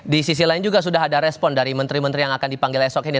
di sisi lain juga sudah ada respon dari menteri menteri yang akan dipanggil esok ini